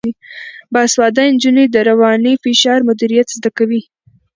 باسواده نجونې د رواني فشار مدیریت زده کوي.